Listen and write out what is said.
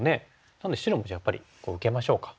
なので白もやっぱり受けましょうか。